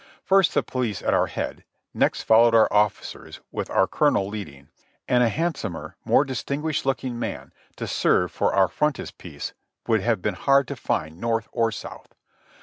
First the police at our head ; next followed our officers, with our colonel leading, and a handsomer, more distinguished looking man to serve for our frontispiece would have been hard to find North or South.